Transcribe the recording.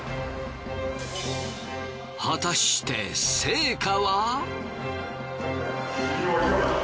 果たして成果は？